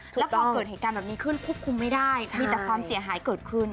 แล้วพอเกิดเหตุการณ์แบบนี้ขึ้นควบคุมไม่ได้มีแต่ความเสียหายเกิดขึ้น